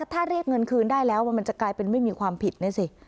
ถ้าเรียกเงินคืนได้แล้วมันจะกลายเป็นไม่มีความผิดนะสิ